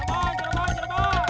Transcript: atau mesin minor